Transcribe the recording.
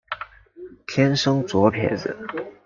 天生左撇子。